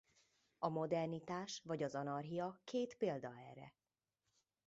A modernitás vagy az anarchia két példa erre.